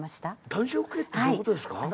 暖色系ってどういうことですか？